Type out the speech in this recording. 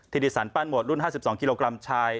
ธิริสันปั้นหวดรุ่น๕๒กิโลกรัมชาย